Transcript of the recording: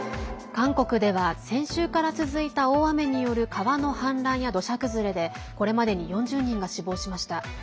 韓国では、先週から続いた大雨による川の氾濫や土砂崩れでこれまでに４０人が死亡しました。